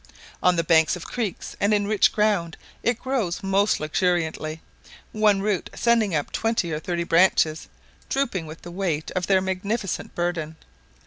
On the banks of creeks and in rich ground, it grows most luxuriantly, one root sending up twenty or thirty branches, drooping with the weight of their magnificent burden.